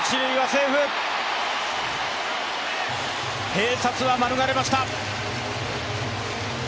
併殺は免れました。